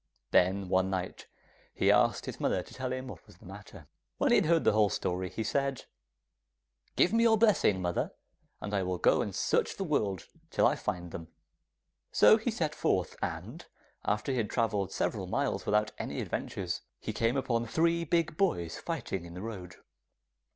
Then one night he asked his mother to tell him what was the matter. When he had heard the whole story, he said, 'Give me your blessing, mother, and I will go and search the world till I find them.' So he set forth, and after he had travelled several miles without any adventures, he came upon three big boys fighting in the road.